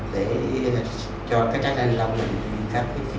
để cho các trách năng nghiệp